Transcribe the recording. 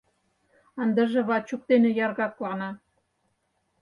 Ындыже Вачук дене яргаклана.